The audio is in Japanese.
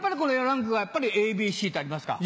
ランクがやっぱりＡＢＣとありますか。